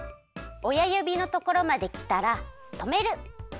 おやゆびのところまできたらとめる。